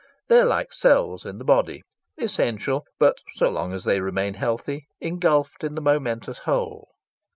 They are like cells in the body, essential, but, so long as they remain healthy, engulfed in the momentous whole.